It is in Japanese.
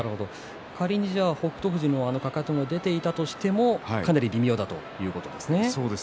仮に北勝富士のあのかかとが出ていたとしてもかなり微妙だということですね。